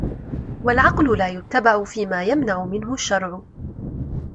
وَالْعَقْلُ لَا يُتَّبَعُ فِيمَا يَمْنَعُ مِنْهُ الشَّرْعُ